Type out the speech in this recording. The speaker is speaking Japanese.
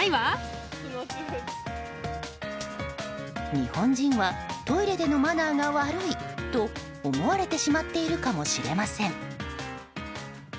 日本人はトイレでのマナーが悪いと思われてしまっているかもしれません。